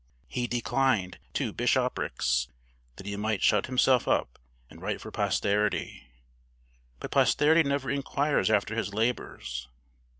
He declined two bishoprics that he might shut himself up and write for posterity; but posterity never inquires after his labors.